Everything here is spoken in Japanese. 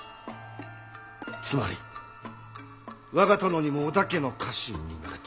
つまり我が殿にも織田家の家臣になれと。